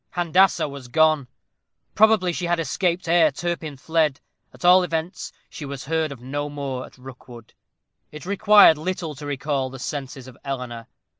Handassah was gone. Probably she had escaped ere Turpin fled. At all events, she was heard of no more at Rookwood. It required little to recall the senses of Eleanor.